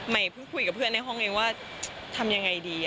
เพิ่งคุยกับเพื่อนในห้องเองว่าทำยังไงดี